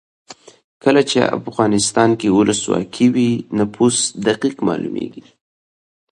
کله چې افغانستان کې ولسواکي وي نفوس دقیق مالومیږي.